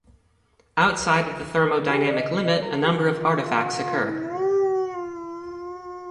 Outside of the thermodynamic limit, a number of artifacts occur.